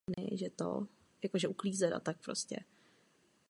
Víme, že toto nebude fungovat.